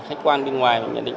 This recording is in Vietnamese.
khách quan bên ngoài nhận định